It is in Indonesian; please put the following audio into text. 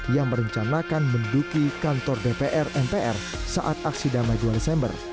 yang merencanakan menduki kantor dpr mpr saat aksi damai dua desember